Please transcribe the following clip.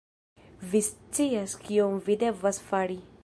vi scias kion vi devas fari